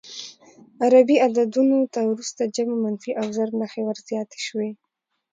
عربي عددونو ته وروسته جمع، منفي او ضرب نښې ور زیاتې شوې.